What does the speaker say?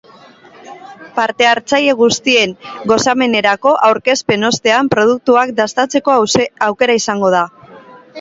Parte hartzaile guztien gozamenerako aurkezpenen ostean produktuak dastatzeko aukera izango da.